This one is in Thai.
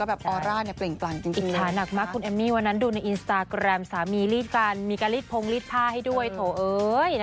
ก็แล้วแต่คือมี่อะต้องไม่มีปฏิกิริยาอะไรเลย